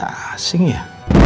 kayaknya gak asing ya